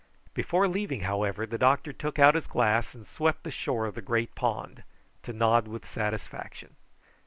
Before leaving, however, the doctor took out his glass and swept the shore of the great pond, to nod with satisfaction.